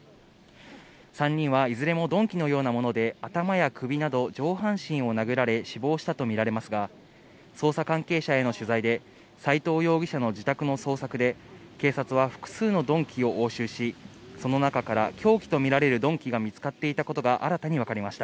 ３人はいずれも鈍器のようなもので頭や首など上半身を殴られ、死亡したとみられますが、捜査関係者への取材で、斎藤容疑者の自宅の捜索で、警察は複数の鈍器を押収し、その中から凶器とみられる鈍器が見つかっていたことが新たに分かりました。